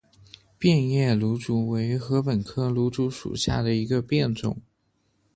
变叶芦竹为禾本科芦竹属下的一个变种。